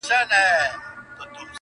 په لسگونو انسانان یې وه وژلي!.